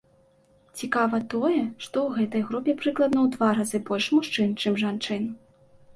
Цікава тое, што ў гэтай групе прыкладна ў два разы больш мужчын, чым жанчын.